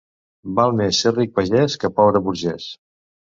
Val més ser ric pagès que pobre burgès.